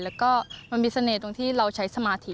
แล้วก็มันมีเสน่ห์ตรงที่เราใช้สมาธิ